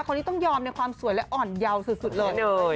คนนี้ต้องยอมในความสวยและอ่อนเยาว์สุดเลย